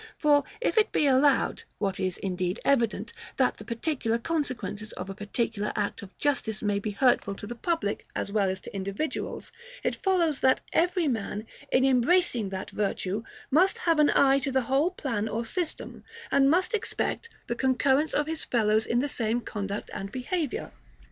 For if it be allowed (what is, indeed, evident) that the particular consequences of a particular act of justice may be hurtful to the public as well as to individuals; it follows that every man, in embracing that virtue, must have an eye to the whole plan or system, and must expect the concurrence of his fellows in the same conduct and behaviour.